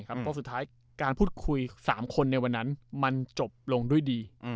เพราะสุดท้ายการพูดคุย๓คนในวันนั้นมันจบลงด้วยดี